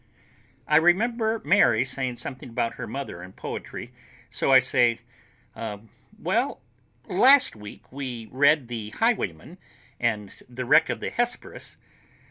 I remember Mary saying something about her mother and poetry, so I say, "Well, uh—last week we read 'The Highwayman' and 'The Wreck of the Hesperus.